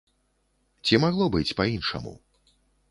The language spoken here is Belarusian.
Ці магло быць па-іншаму?